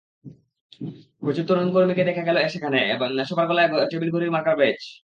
প্রচুর তরুণ কর্মীকে দেখা গেল সেখানে, সবার গলায় টেবিল ঘড়ি মার্কার ব্যাজ।